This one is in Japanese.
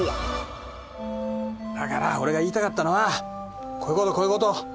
だから俺が言いたかったのはこういう事こういう事。